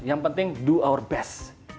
yang penting lakukan yang terbaik